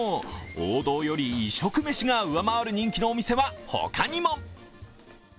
王道より異色メシが上回るお店は他にも。